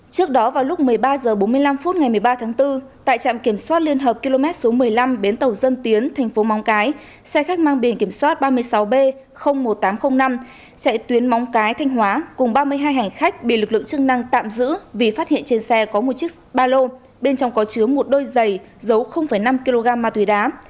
trước đó vào lúc một mươi ba h bốn mươi năm phút ngày một mươi ba tháng bốn tại trạm kiểm soát liên hợp km số một mươi năm bến tàu dân tiến thành phố móng cái xe khách mang biển kiểm soát ba mươi sáu b một nghìn tám trăm linh năm chạy tuyến móng cái thanh hóa cùng ba mươi hai hành khách bị lực lượng chức năng tạm giữ vì phát hiện trên xe có một chiếc ba lô bên trong có chứa một đôi giày giấu năm kg ma túy đá